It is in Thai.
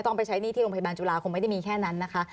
ต้องไปใช้หนี้ที่โรงพยาบาลจุฬาคงไม่ได้มีแค่นั้นนะคะ